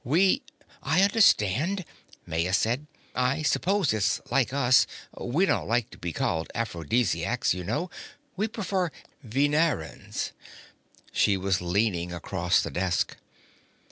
We " "I understand," Maya said. "I suppose it's like us. We don't like to be called Aphrodisiacs, you know. We prefer Venerans." She was leaning across the desk.